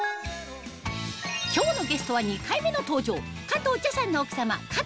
今日のゲストは２回目の登場